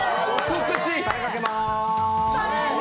たれ、かけます。